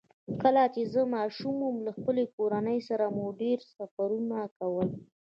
کله چې زه ماشوم وم، له خپلې کورنۍ سره مو ډېر سفرونه کول.